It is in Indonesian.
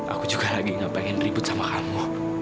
aku juga lagi gak pengen ribut sama kamu